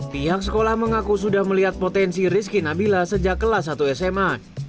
pihak sekolah mengaku sudah melihat potensi rizky nabila sejak kelas satu sma